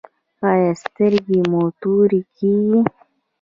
ایا سترګې مو تورې کیږي؟